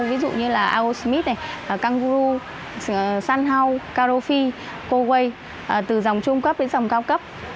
ví dụ như aosmith kangaroo sunhouse carofi coway từ dòng trung cấp đến dòng cao cấp